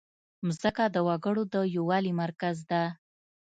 مځکه د وګړو د یووالي مرکز ده.